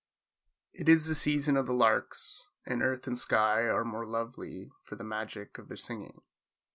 It is the season of the larks, and earth and sky are more lovely for the magic of their singing.